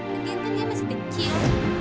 mungkin nia masih kecil